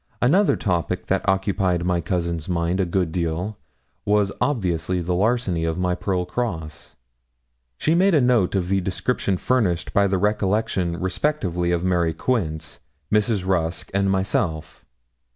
Another topic that occupied my cousin's mind a good deal was obviously the larceny of my pearl cross. She made a note of the description furnished by the recollection, respectively, of Mary Quince, Mrs. Rusk, and myself.